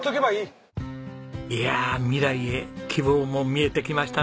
いやあ未来へ希望も見えてきましたね。